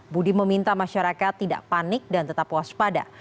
budi meminta masyarakat tidak panik dan tetap waspada